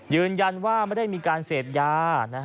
ยืนยันว่าไม่ได้มีการเสพยา